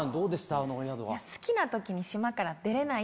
あのお宿は。